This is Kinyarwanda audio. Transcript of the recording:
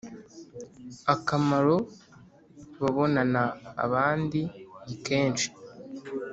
akamaro babonana abandi ni kenshi